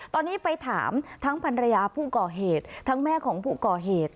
ตอนนี้ไปถามทั้งภรรยาผู้ก่อเหตุทั้งแม่ของผู้ก่อเหตุ